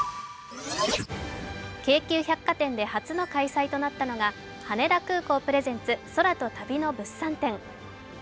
京急百貨店で初の開催となったのが羽田空港ｐｒｅｓｅｎｔｓ空と旅の物産展。